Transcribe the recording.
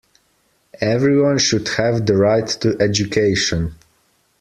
Everyone should have the right to education.